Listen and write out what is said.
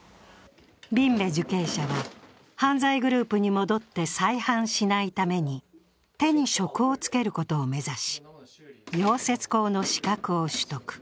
ビンメ受刑者は犯罪グループに戻って再犯しないために手に職をつけることを目指し、溶接工の資格を取得。